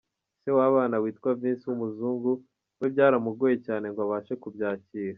Se w’abana witwa Vince w’umuzungu we byaramugoye cyane ngo abashe kubyakira.